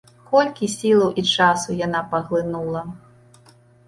Колькі сілаў і часу яна паглынула!